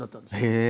へえ！